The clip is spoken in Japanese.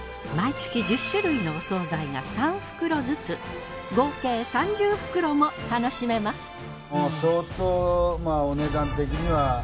毎月１０種類のお惣菜が３袋ずつ合計３０袋も楽しめます。